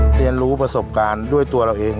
เรียนรู้ประสบการณ์ด้วยตัวเราเอง